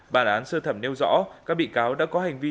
bản án sơ thẩm nêu rõ các bị cáo đã có hành vi